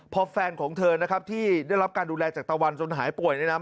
พอแฟนของเธอนะครับที่ได้รับการดูแลจากตะวันจนหายป่วยเนี่ยนะ